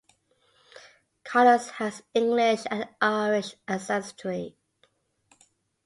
Collins has English and Irish ancestry.